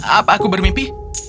apa aku bermimpi